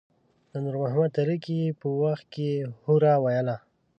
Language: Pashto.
د نور محمد تره کي په وخت کې يې هورا ویله.